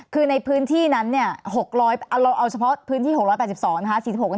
คือในพื้นที่นั้นเนี่ยเราเอาเฉพาะพื้นที่๖๘๒นะคะ